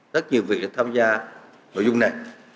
rất nhiều việc đã tham gia nội dung này